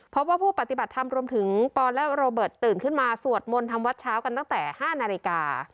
พบว่าผู้ปฏิบัติธรรมรวมถึงปอนและโรเบิร์ตตื่นขึ้นมาสวดมนต์ทำวัดเช้ากันตั้งแต่๕นาฬิกา